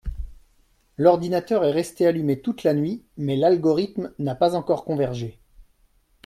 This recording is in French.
L’ordinateur est resté allumé toute la nuit mais l’algorithme n’a pas encore convergé.